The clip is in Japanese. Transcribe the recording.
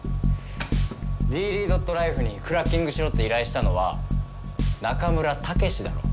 ｄｅｌｅ．ＬＩＦＥにクラッキングしろって依頼したのは仲村毅だろ？